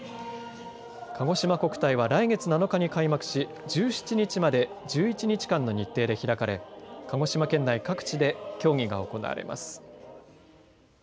かごしま国体は、来月７日に開幕し、１７日まで１１日間の日程で開かれ、鹿児島県内各地で競技が行われます。